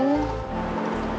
aku mau senyum